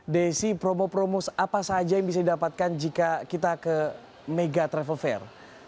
desi promo promo apa saja yang bisa didapatkan jika kita ke mega travel fair